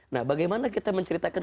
nah bagaimana kita menceritakan